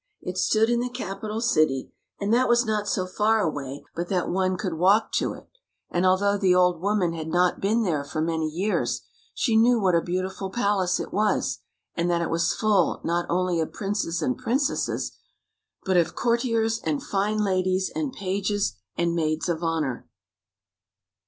It stood in the capital city, and that was not so far away but that one could walk to it; and although the old woman had not been there for many years, she knew what a beautiful palace it was, and that it was full, not only of princes and princesses, but of courtiers and fine ladies and pages and maids of honor.